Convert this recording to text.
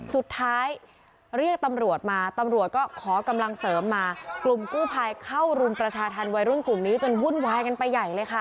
เรียกตำรวจมาตำรวจก็ขอกำลังเสริมมากลุ่มกู้ภัยเข้ารุมประชาธรรมวัยรุ่นกลุ่มนี้จนวุ่นวายกันไปใหญ่เลยค่ะ